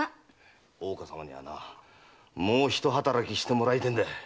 大岡様にはもうひと働きしてもらいたいんだ。